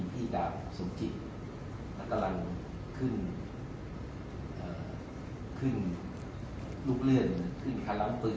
ดาบสมจิตกำลังขึ้นขึ้นลูกเลื่อนขึ้นคาล้ำปืน